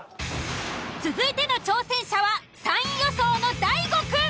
続いての挑戦者は３位予想の大悟くん。